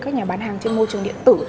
các nhà bán hàng trên môi trường điện tử